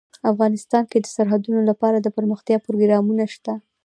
افغانستان کې د سرحدونه لپاره دپرمختیا پروګرامونه شته.